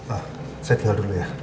ah saya jual dulu ya